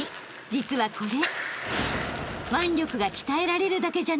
実はこれ］